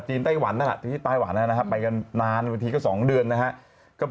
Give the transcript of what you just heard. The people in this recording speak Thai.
จีนไต้หวันนะที่ไต้หวันไปนานวันทีก็สองเดือนนะฮะ